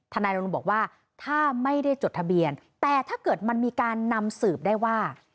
นายรณรงค์บอกว่าถ้าไม่ได้จดทะเบียนแต่ถ้าเกิดมันมีการนำสืบได้ว่า